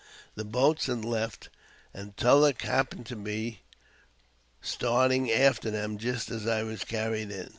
The boats had left, and TuUeck happened to be starting after them just as I was carried in.